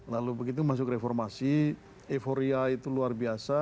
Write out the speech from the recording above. lalu begitu masuk reformasi euforia itu luar biasa